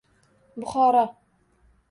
Buxoro